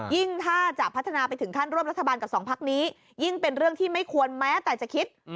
ยิ่งถ้าจะพัฒนาไปถึงขั้นร่วมรัฐบาลกับสองพักนี้ยิ่งเป็นเรื่องที่ไม่ควรแม้แต่จะคิด